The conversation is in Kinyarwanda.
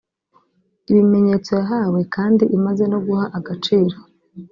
ibimenyetso yahawe kandi imaze no guha agaciro